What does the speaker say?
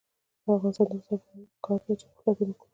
د افغانستان د اقتصادي پرمختګ لپاره پکار ده چې غفلت ونکړو.